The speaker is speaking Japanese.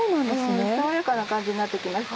爽やかな感じになって来ます。